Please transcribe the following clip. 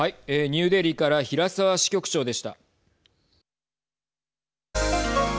ニューデリーから平沢支局長でした。